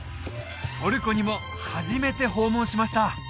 トルコにも初めて訪問しました